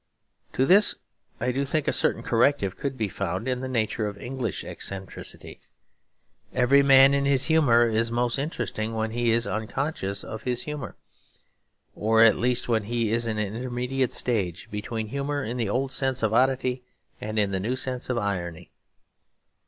To this I do think a certain corrective could be found in the nature of English eccentricity. Every man in his humour is most interesting when he is unconscious of his humour; or at least when he is in an intermediate stage between humour in the old sense of oddity and in the new sense of irony.